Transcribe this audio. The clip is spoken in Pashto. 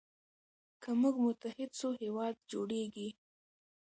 که موږ متحد سو هیواد جوړیږي.